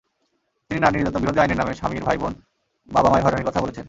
তিনি নারী নির্যাতনবিরোধী আইনের নামে স্বামীর ভাইবোন, বাবা-মায়ের হয়রানির কথা বলেছেন।